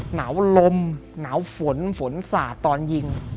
หนาวลมหนาวฝนฝนสาดตอนยิง